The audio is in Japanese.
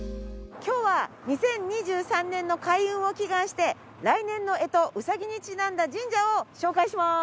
今日は２０２３年の開運を祈願して来年の干支卯にちなんだ神社を紹介します。